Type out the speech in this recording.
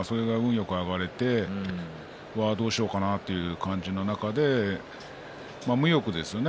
よく上がれてどうしようかなという感じの中で無欲ですよね